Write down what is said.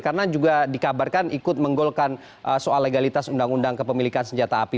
karena juga dikabarkan ikut menggolkan soal legalitas undang undang kepemilikan senjata api